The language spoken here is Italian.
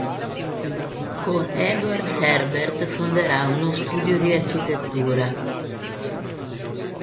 Con Eduard Herbert fonderà uno studio di architettura.